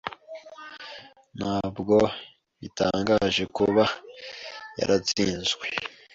Ntabwo bitangaje kuba yaratsinzwe.